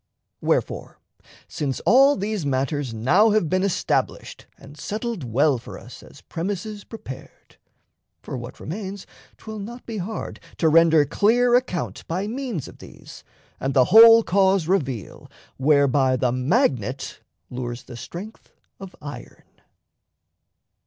Wherefore, since all these matters now have been Established and settled well for us As premises prepared, for what remains 'Twill not be hard to render clear account By means of these, and the whole cause reveal Whereby the magnet lures the strength of iron.